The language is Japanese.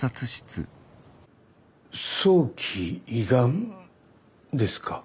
早期胃がんですか。